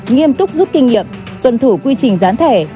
nghiêm túc giúp kinh nghiệm tuần thủ quy trình dán thẻ